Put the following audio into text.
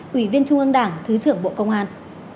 ủy viên trung ương đảng thứ trưởng bộ công an